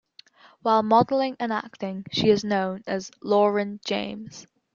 While modeling and acting, she is known as Lauren James.